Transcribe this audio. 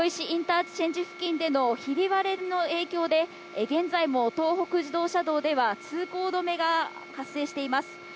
インターチェンジ付近でのひび割れの影響で現在も東北自動車道では通行止めが発生しています。